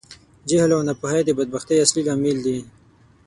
جهل او ناپوهۍ د بدبختي اصلی لامل دي.